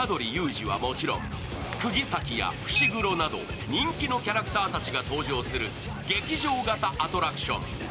仁は、もちろん、釘崎や伏黒など人気のキャラクターたちが登場する劇場型アトラクション。